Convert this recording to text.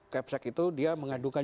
kevsek itu dia mengadukan